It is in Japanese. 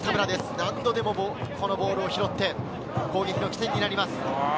何度でもボールを拾って攻撃の起点になります。